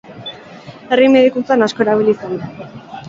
Herri medikuntzan asko erabili izan da.